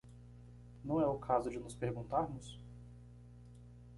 Não é o caso de nos perguntarmos?